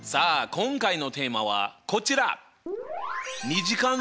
今回のテーマはこちら！